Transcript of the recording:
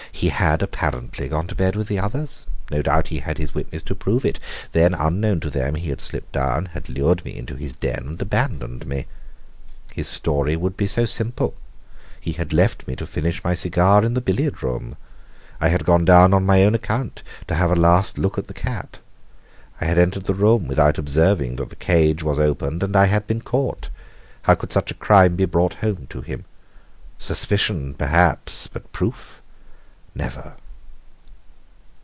He had apparently gone to bed with the others. No doubt he had his witness to prove it. Then, unknown to them, he had slipped down, had lured me into his den and abandoned me. His story would be so simple. He had left me to finish my cigar in the billiard room. I had gone down on my own account to have a last look at the cat. I had entered the room without observing that the cage was opened, and I had been caught. How could such a crime be brought home to him? Suspicion, perhaps but proof, never!